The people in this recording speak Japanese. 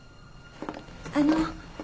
あの。